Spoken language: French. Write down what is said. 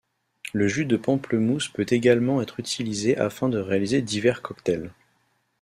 Le jus de pamplemousse peut également être utilisé afin de réaliser divers cocktails.